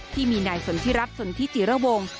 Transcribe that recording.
ที่มีนายสนทิรัสตร์สนทิสิระวงส์